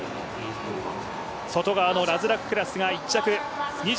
外側のラズラククラスが１着。